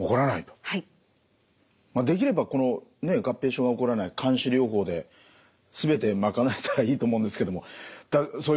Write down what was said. できればこの合併症が起こらない監視療法で全て賄えたらいいと思うんですけどもそういうわけにはいかないんですよね？